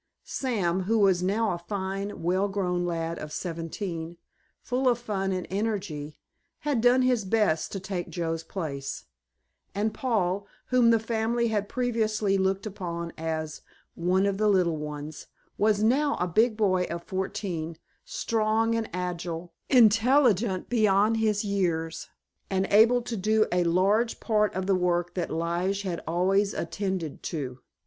Sam, who was now a fine, well grown lad of seventeen, full of fun and energy, had done his best to take Joe's place, and Paul, whom the family had previously looked upon as "one of the little ones" was now a big boy of fourteen, strong and agile, intelligent beyond his years, and able to do a large part of the work that Lige had always attended to.